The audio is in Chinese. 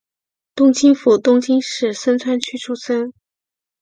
东京府东京市深川区出身。